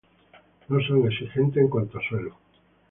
No son exigentes en cuanto a suelo.